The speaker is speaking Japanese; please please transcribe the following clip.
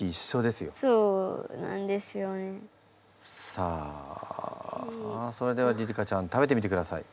さあそれではりり花ちゃん食べてみてください。